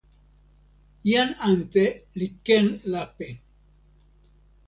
jan ante li ken lape.